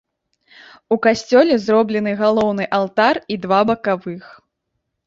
У касцёле зроблены галоўны алтар і два бакавых.